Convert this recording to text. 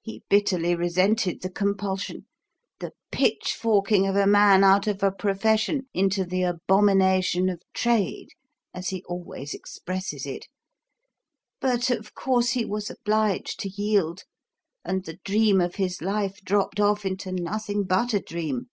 He bitterly resented the compulsion the 'pitchforking of a man out of a profession into the abomination of trade,' as he always expresses it but of course, he was obliged to yield, and the 'dream of his life' dropped off into nothing but a dream.